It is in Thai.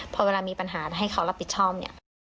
เพราะเวลามีปัญหาให้เค้ารับผิดชอบ